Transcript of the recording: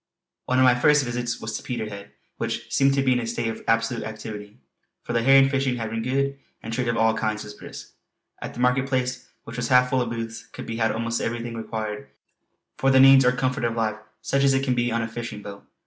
One of my first visits was to Peterhead which seemed to be in a state of absolute activity, for the herring fishing had been good and trade of all kinds was brisk. At the market place which was half full of booths, could be had almost everything required for the needs or comfort of life such as it can be on a fishing boat.